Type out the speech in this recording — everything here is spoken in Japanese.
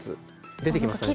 出てきますかね？